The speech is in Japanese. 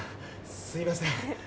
すいません。